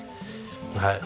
はい。